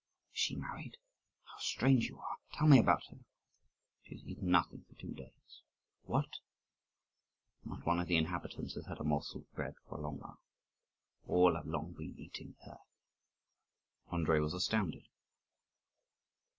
"Is she married? How strange you are! Tell me about her." "She has eaten nothing for two days." "What!" "And not one of the inhabitants has had a morsel of bread for a long while; all have long been eating earth." Andrii was astounded.